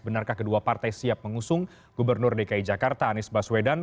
benarkah kedua partai siap mengusung gubernur dki jakarta anies baswedan